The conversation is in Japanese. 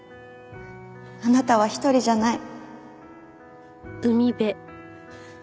あなたは一人じゃない。